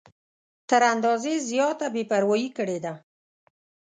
تر اندازې زیاته بې پروايي کړې ده.